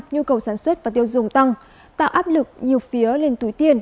nhu cầu sản xuất và tiêu dùng tăng tạo áp lực nhiều phía lên túi tiền